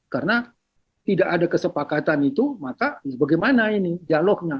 karena tidak ada kesepakatan itu maka bagaimana ini dialognya